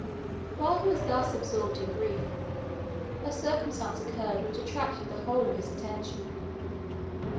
While he was thus absorbed in grief, a circumstance occurred which attracted the whole of his attention.